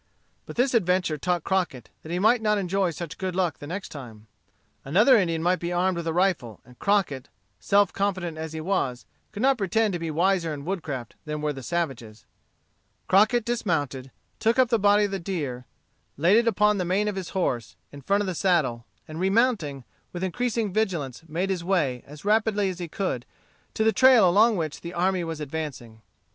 But this adventure taught Crockett that he might not enjoy such good luck the next time. Another Indian might be armed with a rifle, and Crockett, self confident as he was, could not pretend to be wiser in woodcraft than were the savages. Crockett dismounted, took up the body of the deer, laid it upon the mane of his horse, in front of the saddle, and remounting, with increasing vigilance made his way, as rapidly as he could, to the trail along which the army was advancing.